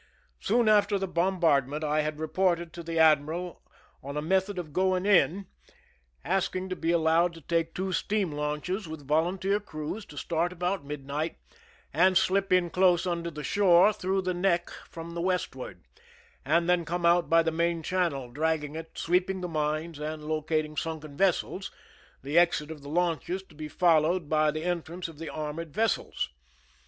Soon after the bombardment I had reported to the ad miral on a method of going in, asking' to be allowed 3 THE SINKING OF THE "MEEEIMAC^^ to take two steam launches with volunteer crews, to start about midnight, and slip in close under the shore through the neck from the westward, and then come out by the main channel, dragging it, sweeping the mines, and locating sunken vessels, the exit of the launches to be followed by the en trance of the armored vessels.